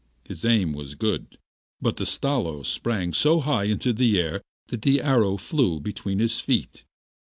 His aim was good, but the Stalo sprang so high into the air that the arrow flew between his feet.